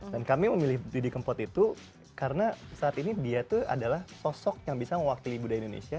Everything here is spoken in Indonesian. dan kami memilih didi kempot itu karena saat ini dia tuh adalah sosok yang bisa mewakili budaya indonesia